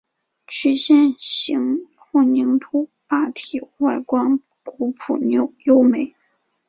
曲线形混凝土坝体外观古朴优美。